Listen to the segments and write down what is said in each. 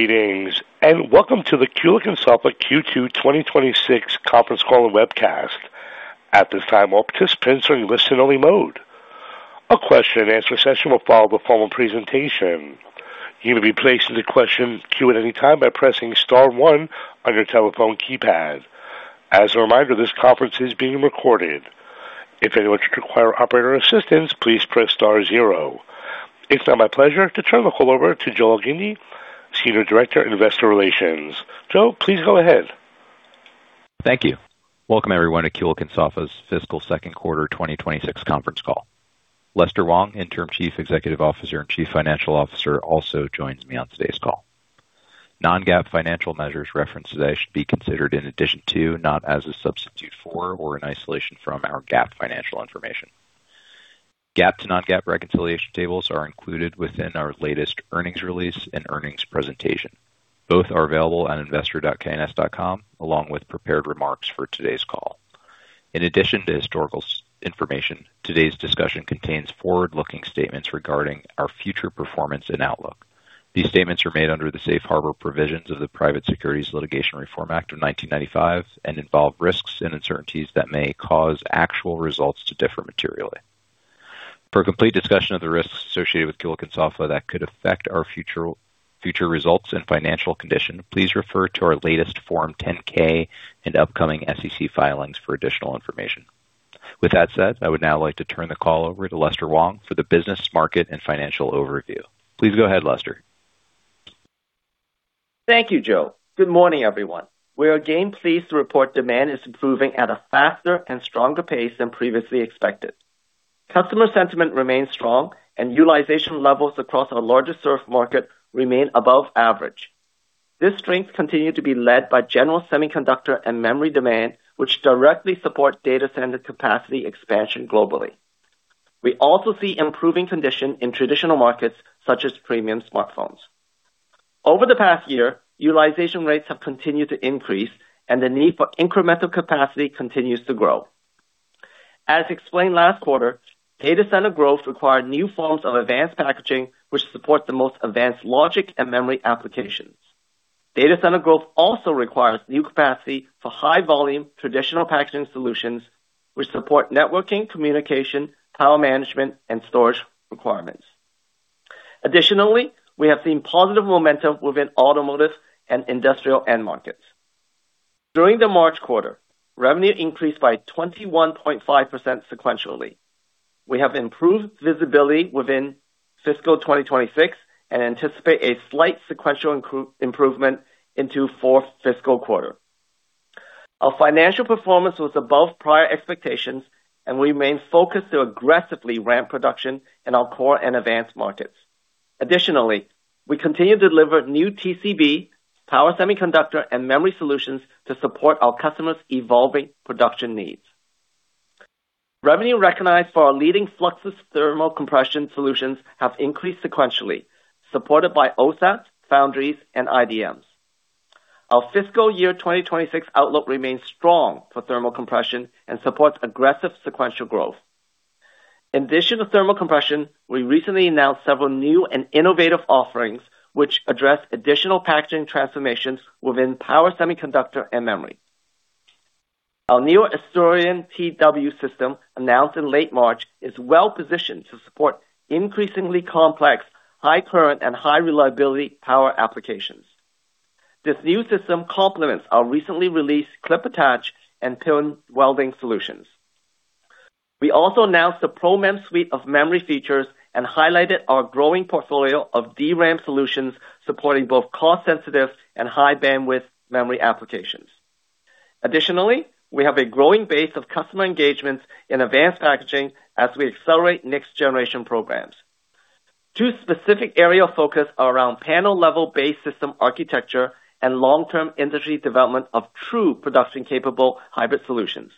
Greetings, and welcome to the Kulicke & Soffa Q2 2026 conference call and webcast. At this time, all participants are in listen-only mode. A question-and-answer session will follow the formal presentation. You can be placed in the question queue at any time by pressing star one on your telephone keypad. As a reminder, this conference is being recorded. If anyone should require operator assistance, please press star zero. It's now my pleasure to turn the call over to Joe Elgindy, Senior Director, Investor Relations. Joe, please go ahead. Thank you. Welcome, everyone, to Kulicke & Soffa fiscal second quarter 2026 conference call. Lester Wong, Interim Chief Executive Officer and Chief Financial Officer, also joins me on today's call. non-GAAP financial measures references should be considered in addition to, not as a substitute for or in isolation from our GAAP financial information. GAAP to non-GAAP reconciliation tables are included within our latest earnings release and earnings presentation. Both are available at investor.kns.com, along with prepared remarks for today's call. In addition to historical information, today's discussion contains forward-looking statements regarding our future performance and outlook. These statements are made under the safe harbor provisions of the Private Securities Litigation Reform Act of 1995 and involve risks and uncertainties that may cause actual results to differ materially. For a complete discussion of the risks associated with Kulicke & Soffa that could affect our future results and financial condition, please refer to our latest Form 10-K and upcoming SEC filings for additional information. With that said, I would now like to turn the call over to Lester Wong for the business, market, and financial overview. Please go ahead, Lester. Thank you, Joe. Good morning, everyone. We are again pleased to report demand is improving at a faster and stronger pace than previously expected. Customer sentiment remains strong and utilization levels across our larger served market remain above average. This strength continued to be led by general semiconductor and memory demand, which directly support data center capacity expansion globally. We also see improving condition in traditional markets such as premium smartphones. Over the past year, utilization rates have continued to increase and the need for incremental capacity continues to grow. As explained last quarter, data center growth required new forms of advanced packaging, which support the most advanced logic and memory applications. Data center growth also requires new capacity for high volume traditional packaging solutions, which support networking, communication, power management, and storage requirements. Additionally, we have seen positive momentum within automotive and industrial end markets. During the March quarter, revenue increased by 21.5% sequentially. We have improved visibility within fiscal 2026 and anticipate a slight sequential improvement into fourth fiscal quarter. Our financial performance was above prior expectations, and we remain focused to aggressively ramp production in our core and advanced markets. Additionally, we continue to deliver new TCB, power semiconductor, and memory solutions to support our customers' evolving production needs. Revenue recognized for our leading Fluxless Thermo-Compression solutions have increased sequentially, supported by OSAT, foundries, and IDMs. Our fiscal year 2026 outlook remains strong for Thermo-Compression and supports aggressive sequential growth. In addition to Thermo-Compression, we recently announced several new and innovative offerings, which address additional packaging transformations within power semiconductor and memory. Our new ASTERION TW system, announced in late March, is well-positioned to support increasingly complex, high current, and high reliability power applications. This new system complements our recently released clip attach and pin welding solutions. We also announced the ProMEM suite of memory features and highlighted our growing portfolio of DRAM solutions, supporting both cost-sensitive and high-bandwidth memory applications. Additionally, we have a growing base of customer engagements in advanced packaging as we accelerate next-generation programs. Two specific areas of focus are around panel-level base system architecture and long-term industry development of true production-capable hybrid solutions.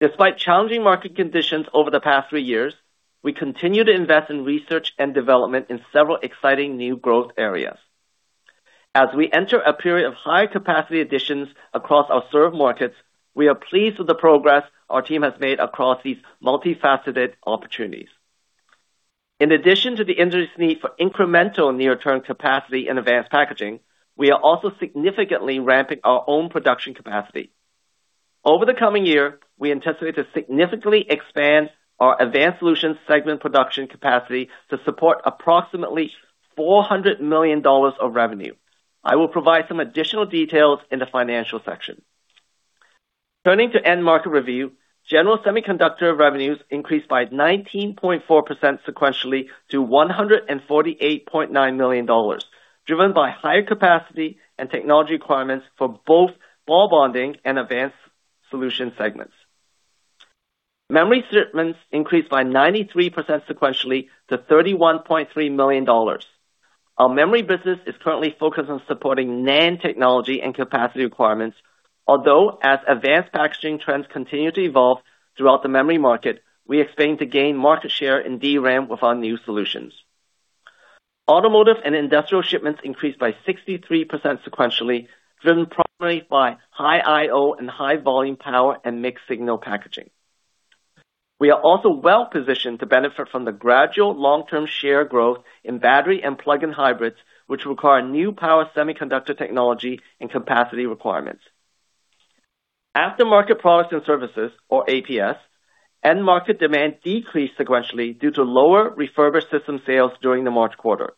Despite challenging market conditions over the past three years, we continue to invest in research and development in several exciting new growth areas. As we enter a period of high capacity additions across our served markets, we are pleased with the progress our team has made across these multifaceted opportunities. In addition to the industry's need for incremental near-term capacity in advanced packaging, we are also significantly ramping our own production capacity. Over the coming year, we anticipate to significantly expand our Advanced Solutions segment production capacity to support approximately $400 million of revenue. I will provide some additional details in the financial section. Turning to end market review. General semiconductor revenues increased by 19.4% sequentially to $148.9 million, driven by higher capacity and technology requirements for both ball bonding and Advanced Solutions segments. Memory shipments increased by 93% sequentially to $31.3 million. Our memory business is currently focused on supporting NAND technology and capacity requirements. As advanced packaging trends continue to evolve throughout the memory market, we expect to gain market share in DRAM with our new solutions. Automotive and industrial shipments increased by 63% sequentially, driven primarily by high IO and high volume power and mixed signal packaging. We are also well positioned to benefit from the gradual long-term share growth in battery and plug-in hybrids, which require new power semiconductor technology and capacity requirements. Aftermarket products and services, or APS, end market demand decreased sequentially due to lower refurbished system sales during the March quarter.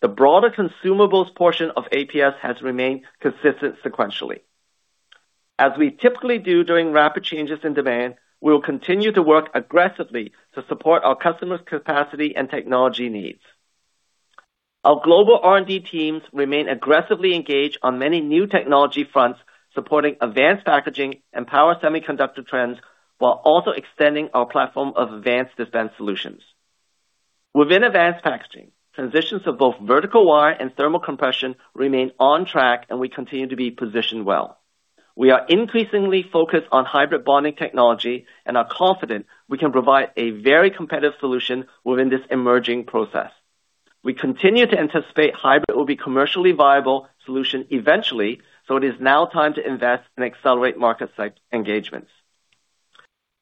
The broader consumables portion of APS has remained consistent sequentially. As we typically do during rapid changes in demand, we will continue to work aggressively to support our customers' capacity and technology needs. Our global R&D teams remain aggressively engaged on many new technology fronts, supporting advanced packaging and power semiconductor trends, while also extending our platform of advanced dispense solutions. Within advanced packaging, transitions of both Vertical Wire and Thermo-Compression remain on track, and we continue to be positioned well. We are increasingly focused on hybrid bonding technology and are confident we can provide a very competitive solution within this emerging process. We continue to anticipate hybrid will be commercially viable solution eventually, so it is now time to invest and accelerate market engagements.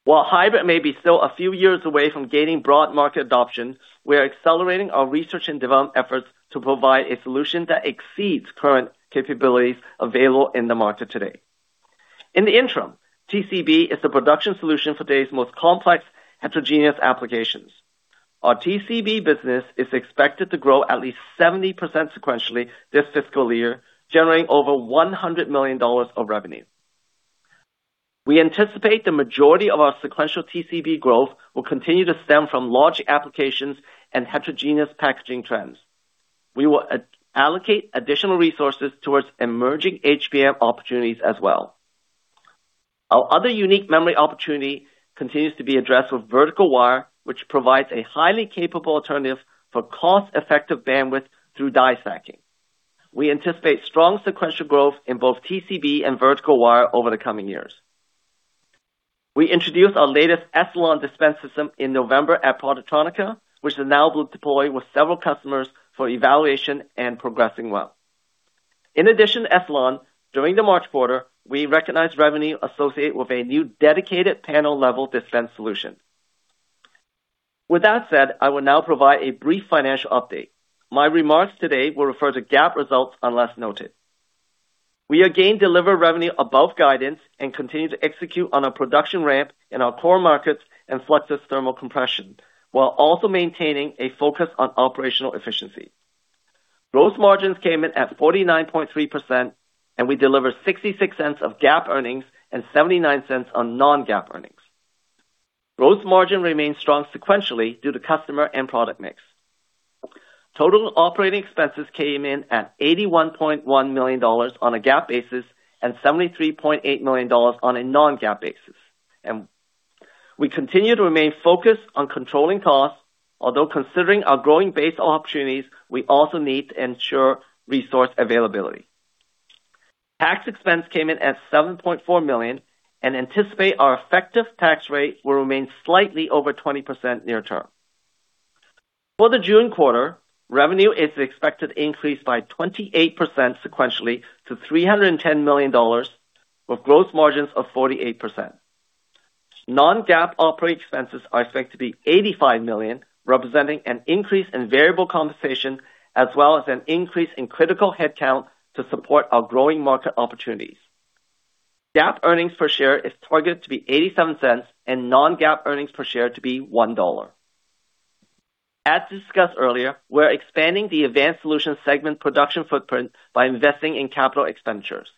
While hybrid may be still a few years away from gaining broad market adoption, we are accelerating our research and development efforts to provide a solution that exceeds current capabilities available in the market today. In the interim, TCB is the production solution for today's most complex heterogeneous applications. Our TCB business is expected to grow at least 70% sequentially this fiscal year, generating over $100 million of revenue. We anticipate the majority of our sequential TCB growth will continue to stem from large applications and heterogeneous packaging trends. We will allocate additional resources towards emerging HBM opportunities as well. Our other unique memory opportunity continues to be addressed with vertical wire, which provides a highly capable alternative for cost-effective bandwidth through die stacking. We anticipate strong sequential growth in both TCB and vertical wire over the coming years. We introduced our latest Echelon dispense system in November at Productronica, which is now deployed with several customers for evaluation and progressing well. In addition to Echelon, during the March quarter, we recognized revenue associated with a new dedicated panel-level dispense solution. With that said, I will now provide a brief financial update. My remarks today will refer to GAAP results, unless noted. We again delivered revenue above guidance and continue to execute on our production ramp in our core markets and Fluxless Thermo-Compression, while also maintaining a focus on operational efficiency. Gross margins came in at 49.3%, we delivered $0.66 of GAAP earnings and $0.79 on non-GAAP earnings. Gross margin remains strong sequentially due to customer and product mix. Total operating expenses came in at $81.1 million on a GAAP basis and $73.8 million on a non-GAAP basis. We continue to remain focused on controlling costs. Although considering our growing base of opportunities, we also need to ensure resource availability. Tax expense came in at $7.4 million and anticipate our effective tax rate will remain slightly over 20% near term. For the June quarter, revenue is expected to increase by 28% sequentially to $310 million, with gross margins of 48%. non-GAAP operating expenses are expected to be $85 million, representing an increase in variable compensation as well as an increase in critical headcount to support our growing market opportunities. GAAP earnings per share is targeted to be $0.87 and non-GAAP earnings per share to be $1.00. As discussed earlier, we're expanding the Advanced Solutions segment production footprint by investing in capital expenditures.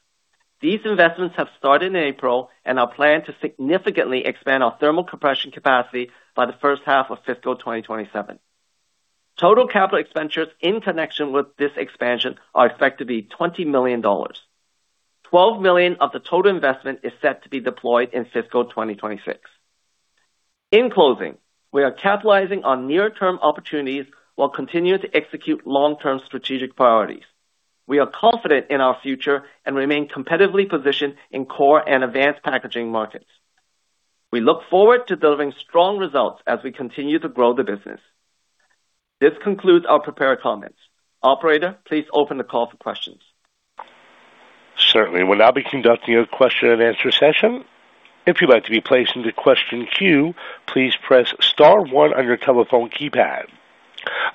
These investments have started in April and are planned to significantly expand our Thermo-Compression capacity by the first half of fiscal 2027. Total capital expenditures in connection with this expansion are expected to be $20 million. $12 million of the total investment is set to be deployed in fiscal 2026. In closing, we are capitalizing on near-term opportunities while continuing to execute long-term strategic priorities. We are confident in our future and remain competitively positioned in core and advanced packaging markets. We look forward to delivering strong results as we continue to grow the business. This concludes our prepared comments. Operator, please open the call for questions. Certainly, we will now be conducting a question-and-answer session. If you'd like to be placed into the question queue, please press star one on your telephone keypad.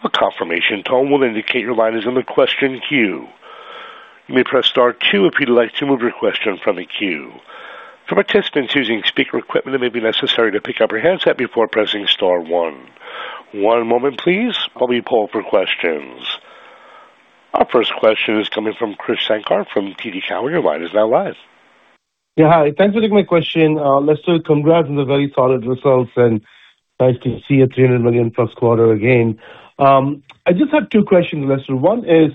A confirmation tone will then indicate your line is in the question queue. You may press star two if you'd like to remove your question from the queue. For participants using speaker equipment, it may be necessary to pick up your handset before pressing star one. One moment, please, while we poll for questions. Our first question is coming from Krish Sankar from TD Cowen. Your line is now live. Yeah, hi. Thanks for taking my question. Lester, congrats on the very solid results and nice to see a $300+ million quarter again. I just have two questions, Lester. One is,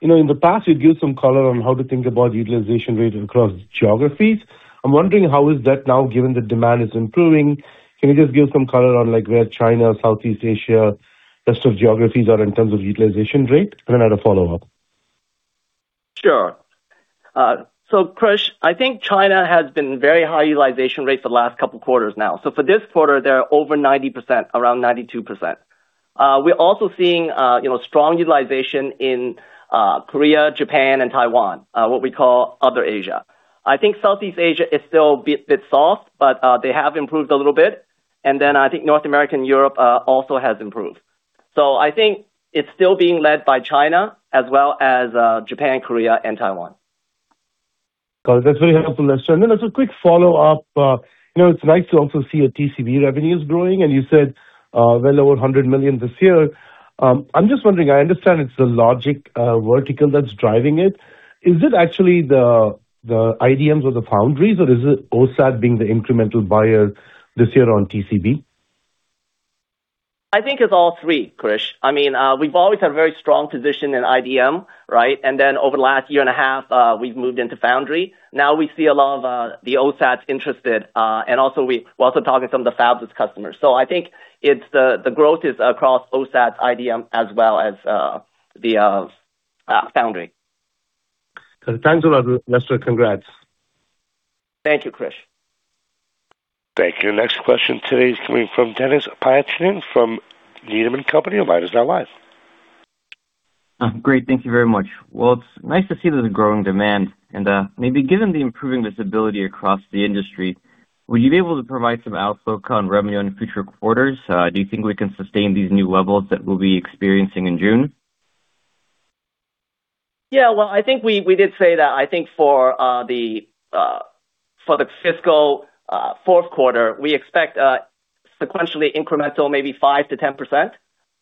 you know, in the past, you gave some color on how to think about utilization rate across geographies. I'm wondering how is that now, given the demand is improving? Can you just give some color on, like, where China, Southeast Asia, rest of geographies are in terms of utilization rate? Then I have a follow-up. Sure. Krish, I think China has been very high utilization rate for the last couple quarters now. For this quarter, they are over 90%, around 92%. We're also seeing, you know, strong utilization in Korea, Japan, and Taiwan, what we call other Asia. I think Southeast Asia is still a bit soft, but they have improved a little bit. I think North America and Europe also has improved. I think it's still being led by China as well as Japan, Korea and Taiwan. Got it. That's very helpful, Lester. As a quick follow-up, you know, it's nice to also see your TCB revenues growing, and you said, well over $100 million this year. I'm just wondering, I understand it's the logic vertical that's driving it. Is it actually the IDMs or the foundries, or is it OSAT being the incremental buyer this year on TCB? I think it's all three, Krish. I mean, we've always had a very strong position in IDM, right? Over the last year and a half, we've moved into foundry. Now we see a lot of the OSATs interested, and also we're also talking to some of the fabless customers. I think it's the growth is across OSAT, IDM, as well as the foundry. Thanks a lot, Lester. Congrats. Thank you, Krish. Thank you. Next question today is coming from Denis Pyatchanin from Needham & Company. Your line is now live. Great. Thank you very much. It's nice to see there's a growing demand and, maybe given the improving visibility across the industry, will you be able to provide some outlook on revenue in future quarters? Do you think we can sustain these new levels that we'll be experiencing in June? Yeah. Well, I think we did say that I think for the fiscal fourth quarter, we expect sequentially incremental, maybe 5%-10%.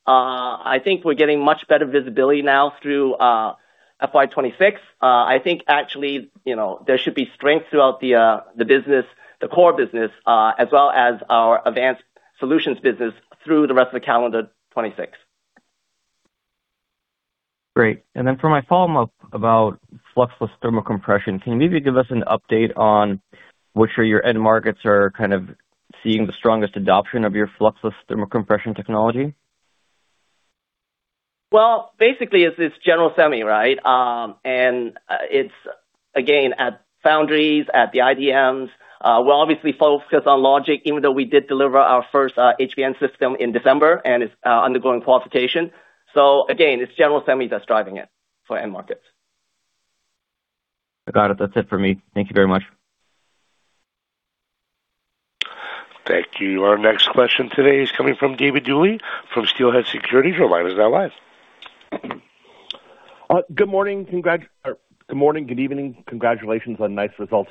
I think we're getting much better visibility now through FY 2026. I think actually, you know, there should be strength throughout the business, the core business, as well as our Advanced Solutions business through the rest of the calendar 2026. Great. For my follow-up about fluxless Thermo-Compression, can you maybe give us an update on which are your end markets are kind of seeing the strongest adoption of your fluxless Thermo-Compression technology? Well, basically it's general semi, right? It's again, at foundries, at the IDMs. We're obviously focused on logic, even though we did deliver our first HBM system in December and it's undergoing qualification. Again, it's general semi that's driving it for end markets. I got it. That's it for me. Thank you very much. Thank you. Our next question today is coming from David Duley from Steelhead Securities. Your line is now live. Good morning, good evening. Congratulations on nice results.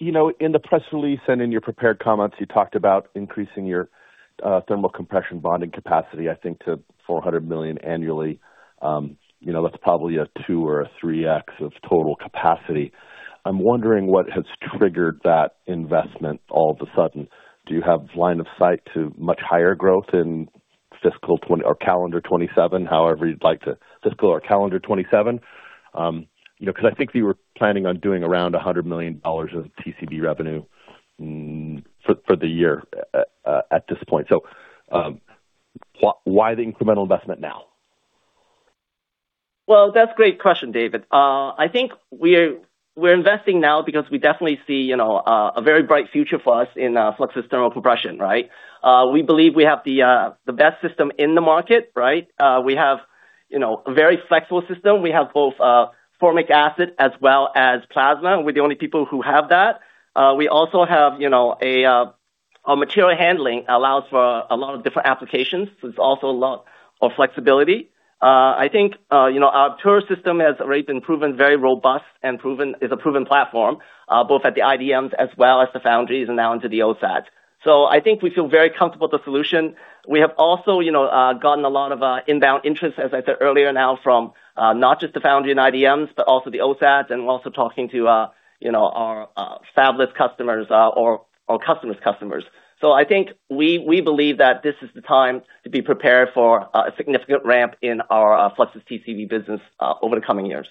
You know, in the press release and in your prepared comments, you talked about increasing your Thermo-Compression bonding capacity, I think, to $400 million annually. You know, that's probably a 2x or a 3x of total capacity. I'm wondering what has triggered that investment all of a sudden. Do you have line of sight to much higher growth in fiscal or calendar 2027? However you'd like to fiscal or calendar 2027. You know, 'cause I think you were planning on doing around $100 million of TCB revenue for the year at this point. Why the incremental investment now? Well, that's a great question, David. I think we're investing now because we definitely see, you know, a very bright future for us in fluxless Thermo-Compression, right? We believe we have the best system in the market, right? We have, you know, a very flexible system. We have both formic acid as well as plasma. We're the only people who have that. We also have, you know, our material handling allows for a lot of different applications. There's also a lot of flexibility. I think, you know, our Turret System has already been proven very robust and is a proven platform, both at the IDMs as well as the foundries and now into the OSAT. I think we feel very comfortable with the solution. We have also, you know, gotten a lot of inbound interest, as I said earlier, now from not just the foundry and IDMs, but also the OSATs and also talking to, you know, our fabless customers, or customer's customers. I think we believe that this is the time to be prepared for a significant ramp in our fluxless TCB business over the coming years.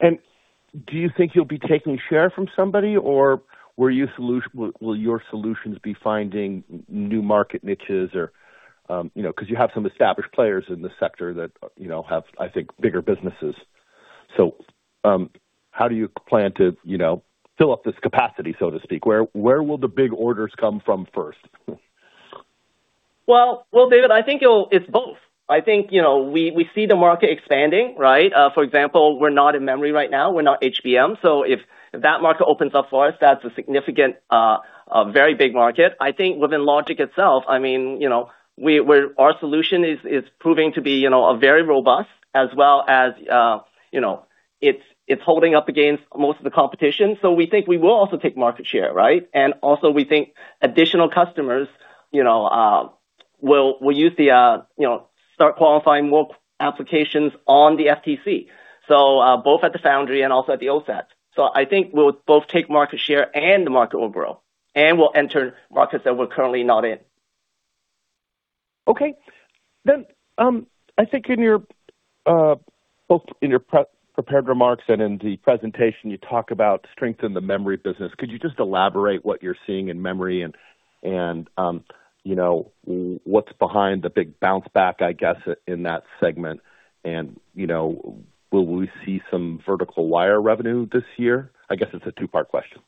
Do you think you'll be taking share from somebody, or will your solutions be finding new market niches or, you know, 'cause you have some established players in this sector that, you know, have, I think, bigger businesses. How do you plan to, you know, fill up this capacity, so to speak? Where will the big orders come from first? Well, David, I think It's both. I think, you know, we see the market expanding, right? For example, we're not in memory right now. We're not HBM. If that market opens up for us, that's a significant, a very big market. I think within logic itself, I mean, you know, we're our solution is proving to be, you know, very robust as well as, you know, it's holding up against most of the competition. We think we will also take market share, right? Also, we think additional customers, you know, will use the, you know, start qualifying more applications on the FTC, both at the foundry and also at the OSAT. I think we'll both take market share, and the market will grow, and we'll enter markets that we're currently not in. Okay. I think in your both in your pre-prepared remarks and in the presentation, you talk about strength in the memory business. Could you just elaborate what you're seeing in memory and, you know, what's behind the big bounce back, I guess, in that segment? You know, will we see some Vertical Wire revenue this year? I guess it's a two-part question.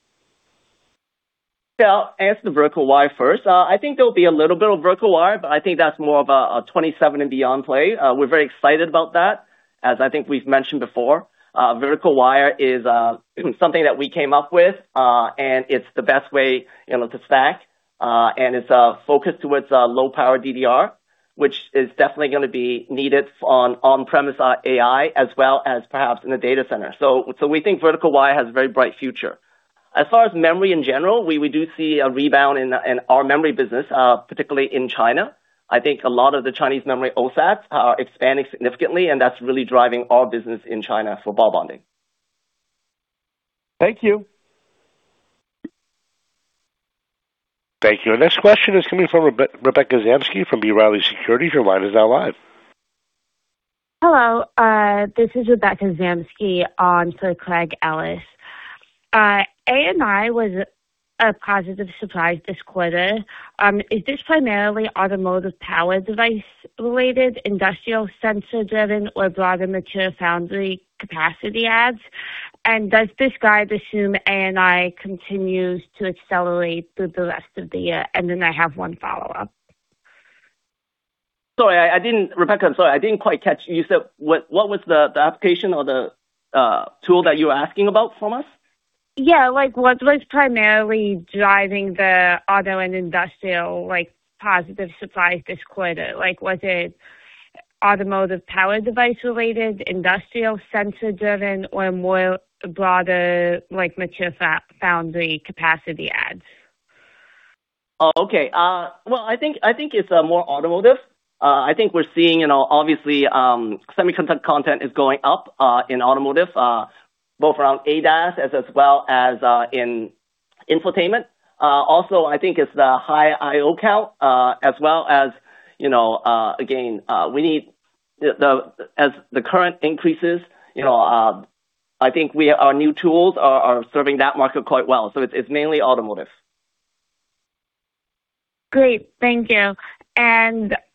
Yeah, I'll answer the Vertical Wire first. I think there'll be a little bit of Vertical Wire, but I think that's more of a 2027 and beyond play. We're very excited about that. As I think we've mentioned before, Vertical Wire is something that we came up with, and it's the best way, you know, to stack, and it's focused towards low power DDR, which is definitely gonna be needed on on-premise AI as well as perhaps in the data center. We think Vertical Wire has a very bright future. As far as memory in general, we do see a rebound in our memory business, particularly in China. I think a lot of the Chinese memory OSATs are expanding significantly, and that's really driving our business in China for ball bonding. Thank you. Thank you. Our next question is coming from Rebecca Zamsky from B. Riley Securities. Your line is now live. Hello, this is Rebecca Zamsky on for Craig Ellis. A&I was a positive surprise this quarter. Is this primarily automotive power device related, industrial sensor driven or broader mature foundry capacity adds? Does this guide assume A&I continues to accelerate through the rest of the year? I have one follow-up. Sorry, I didn't Rebecca, I'm sorry, I didn't quite catch. You said what was the application or the tool that you were asking about from us? Yeah. Like, what was primarily driving the auto and industrial, like, positive surprise this quarter? Like, was it automotive power device related, industrial sensor driven, or more broader, like mature foundry capacity adds? Okay. Well, I think it's more automotive. I think we're seeing, you know, obviously, semiconductor content is going up in automotive, both around ADAS as well as in infotainment. Also, I think it's the high IO count, as well as, you know, again, we need the As the current increases, you know, I think our new tools are serving that market quite well. It's mainly automotive. Great. Thank you.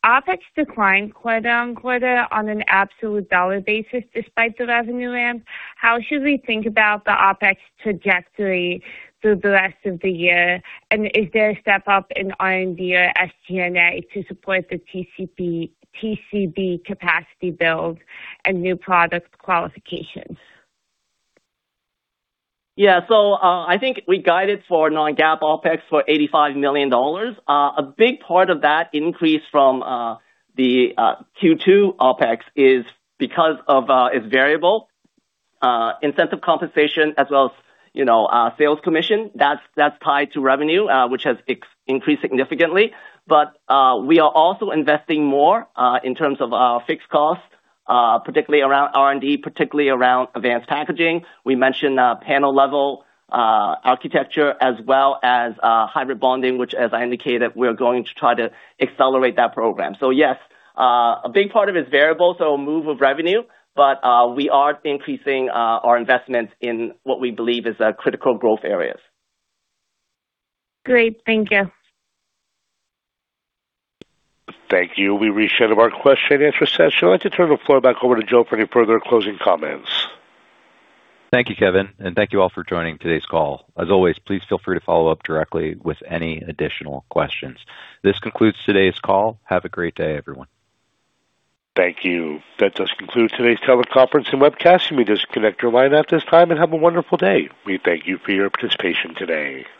OpEx declined quarter on quarter on an absolute dollar basis despite the revenue ramp. How should we think about the OpEx trajectory through the rest of the year? Is there a step up in R&D or SG&A to support the TCB capacity build and new product qualifications? I think we guided for non-GAAP OpEx for $85 million. A big part of that increase from the Q2 OpEx is because of its variable incentive compensation as well as, you know, sales commission. That's tied to revenue, which has increased significantly. We are also investing more in terms of fixed costs, particularly around R&D, particularly around advanced packaging. We mentioned panel-level architecture as well as hybrid bonding, which as I indicated, we're going to try to accelerate that program. Yes, a big part of it is variable, so a move of revenue, but we are increasing our investments in what we believe is critical growth areas. Great. Thank you. Thank you. We reach the end of our question-and-answer session. I'd like to turn the floor back over to Joe for any further closing comments. Thank you, Kevin, and thank you all for joining today's call. As always, please feel free to follow up directly with any additional questions. This concludes today's call. Have a great day, everyone. Thank you. That does conclude today's teleconference and webcast. You may disconnect your line at this time and have a wonderful day. We thank you for your participation today.